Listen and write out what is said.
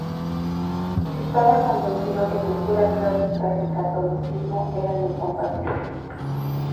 Estaba convencido que cultura clásica y catolicismo eran incompatibles.